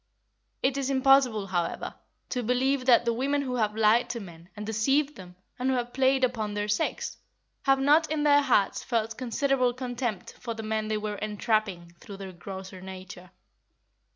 It is impossible, however, to believe that the women who have lied to men, and deceived them, and who have played upon their sex, have not in their hearts felt considerable contempt for the men they were entrapping through their grosser nature.